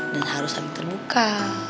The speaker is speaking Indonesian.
dan harus saling terluka